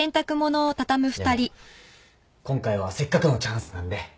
でも今回はせっかくのチャンスなんで。